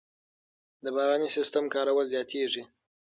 د باراني سیستم کارول زیاتېږي.